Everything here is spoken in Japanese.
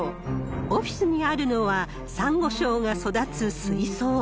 オフィスにあるのは、サンゴ礁が育つ水槽。